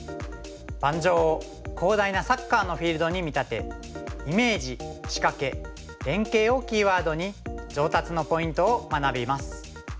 盤上を広大なサッカーのフィールドに見立て「イメージ」「仕掛け」「連携」をキーワードに上達のポイントを学びます。